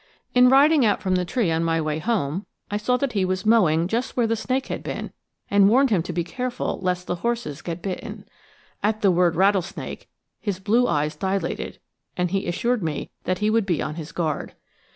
In riding out from the tree on my way home, I saw that he was mowing just where the snake had been, and warned him to be careful lest the horses get bitten. At the word rattlesnake his blue eyes dilated, and he assured me that he would be on his guard.